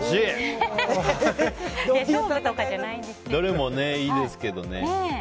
どれもいいですけどね。